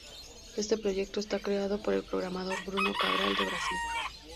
Este proyecto está creado por el programador Bruno Cabral de Brasil.